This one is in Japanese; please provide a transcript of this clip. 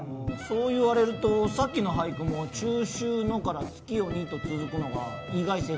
そう言われるとさっきの俳句も「中秋の」から「月夜に」と続くのが意外性がない。